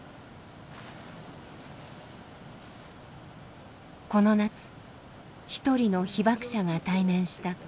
この夏一人の被爆者が対面した妹の遺品。